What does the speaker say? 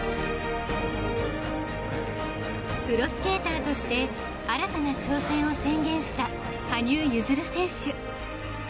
プロスケーターとして新たな挑戦を宣言した羽生結弦選手。